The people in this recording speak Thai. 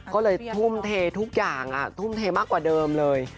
ก็เลยทุ่มเททุกอย่างทุ่มเทมากกว่าเดิมเลย